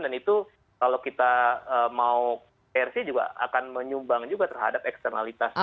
dan itu kalau kita mau prc juga akan menyumbang juga terhadap eksternalitas negatif